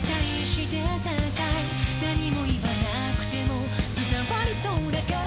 「何も言わなくても伝わりそうだから」